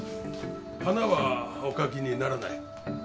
花はお描きにならない？